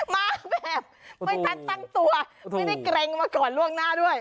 มาแบบไม่ทันตั้งตัวไม่ได้เกร็งมาก่อนล่วงหน้าด้วย